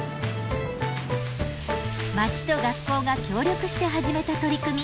町と学校が協力して始めた取り組み